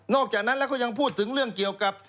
อกจากนั้นแล้วก็ยังพูดถึงเรื่องเกี่ยวกับ